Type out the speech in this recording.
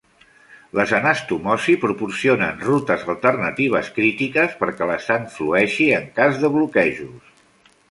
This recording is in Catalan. Les anastomosi proporcionen rutes alternatives crítiques perquè la sang flueixi en cas de bloquejos.